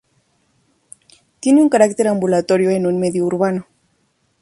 Tiene un carácter ambulatorio, en un medio urbano.